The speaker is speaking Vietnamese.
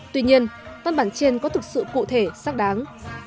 tuy nhiên văn bản trên có thực sự cụ thể xác đáng